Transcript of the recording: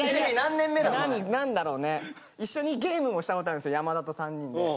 何だろうね一緒にゲームもしたことあるんですよ山田と３人で。